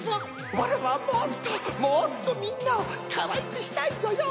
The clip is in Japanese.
わらわはもっともっとみんなをかわいくしたいぞよ。